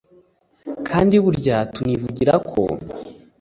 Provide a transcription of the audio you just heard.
kandi burya tunivugirako